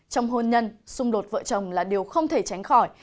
trong hôn nhân xung đột vợ chồng là điều không thể tránh khỏi